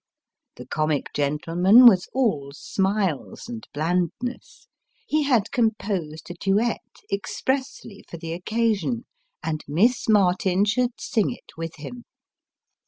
The comic gentleman was all smiles and blandness he had composed a duet, expressly for the occasion, and Miss Martin should sing it with him.